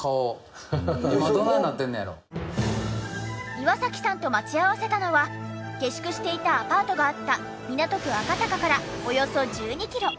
岩崎さんと待ち合わせたのは下宿していたアパートがあった港区赤坂からおよそ１２キロ。